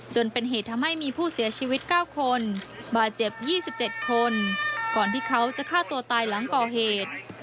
จนเป็นเหตุทำให้มีผู้เสียชีวิต๙คนบาดเจ็บ๒๗คนก่อนที่เขาจะฆ่าตัวตายหลังก่อเหตุ